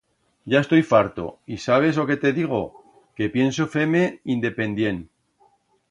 Ya estoi farto y, sabes o que te digo? Que pienso fer-me independient.